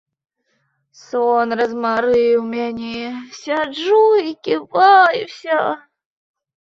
Сон размарыў мяне, сяджу і ківаюся.